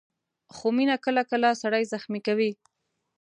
خو مینه کله کله سړی زخمي کوي.